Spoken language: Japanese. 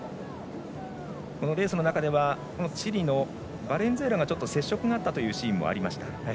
このレースの中ではチリのバレンスエラがちょっと接触があったというシーンもありました。